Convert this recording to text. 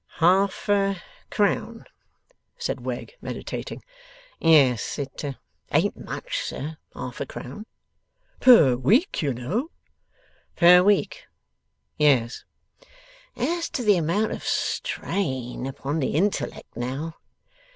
'Half a crown,' said Wegg, meditating. 'Yes. (It ain't much, sir.) Half a crown.' 'Per week, you know.' 'Per week. Yes. As to the amount of strain upon the intellect now.